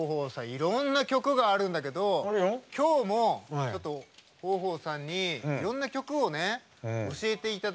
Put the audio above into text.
いろんな曲があるんだけど今日もちょっと豊豊さんにいろんな曲をね教えていただきたい。